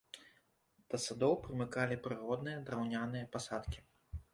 Да садоў прымыкалі прыродныя драўняныя пасадкі.